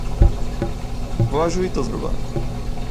Považuji to za obrovský problém.